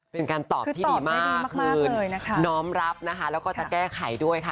เป็นการตอบที่ดีมากคือน้อมรับนะคะแล้วก็จะแก้ไขด้วยค่ะ